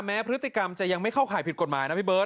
พฤติกรรมจะยังไม่เข้าข่ายผิดกฎหมายนะพี่เบิร์